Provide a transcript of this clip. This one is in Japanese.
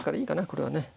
これはね。